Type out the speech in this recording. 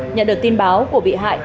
nhận được tin báo của bị hại